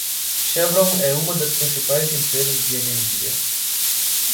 Chevron é uma das principais empresas de energia.